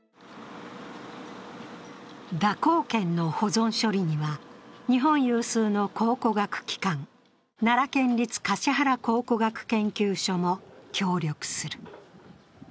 蛇行剣の保存処理には、日本有数の考古学機関、奈良県立橿原考古学研究所も協力する。